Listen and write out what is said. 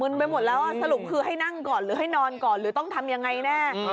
ไปหมดแล้วสรุปคือให้นั่งก่อนหรือให้นอนก่อนหรือต้องทำยังไงแน่